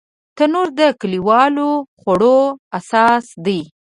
تنور د کلیوالو خوړو اساس دی